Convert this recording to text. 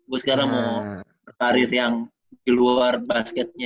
gue sekarang mau berkarir yang di luar basketnya